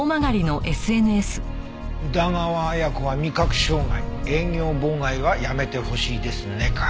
「宇田川綾子は味覚障害」「営業妨害はやめてほしいですね」か。